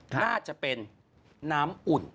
น่าจะเป็นน้ำอุ่น